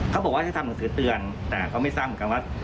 เขาบอกว่าให้ทำหนังสือเตือนแต่เขาไม่ทราบเหมือนกันว่า